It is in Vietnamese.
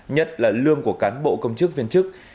nhất là lương của cán bộ công chức viên chức